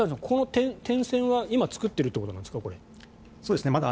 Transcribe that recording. この点線は今作っているということなんですか？